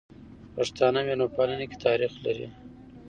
پښتانه ميلمه پالنې کی تاریخ لري.